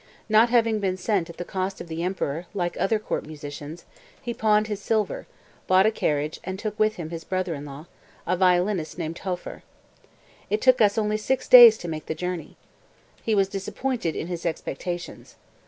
Not having been sent at the cost of the Emperor, like other Court musicians, he pawned his silver, bought a carriage and took with him his brother in law, a violinist named Hofer. "It took us only six days to make the journey." He was disappointed in his expectations.